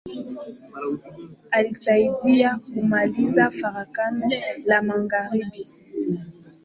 Alisaidia kumaliza Farakano la magharibi.